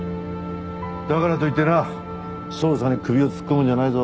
だからといってな捜査に首を突っ込むんじゃないぞ。